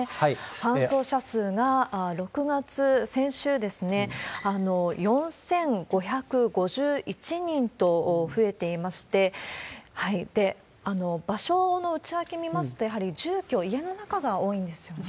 搬送者数が６月、先週ですね、４５５１人と増えていまして、場所の内訳見ますと、やはり住居、家の中が多いんですよね。